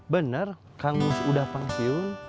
bener kang mus udah pangsiun